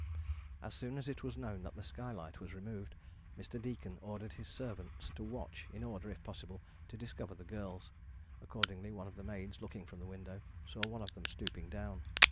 As soon as it was known that the sky light was removed, Mr. Deacon ordered his servants to watch, in order, if possible, to discover the girls: accordingly one of the maids, looking from a window, saw one of them stooping down.